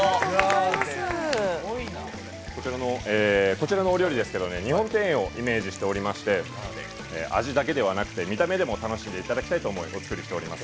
こちらのお料理は日本庭園をイメージしておりまして、味だけではなくて見た目でも楽しんでもらいたいと思い調理しております。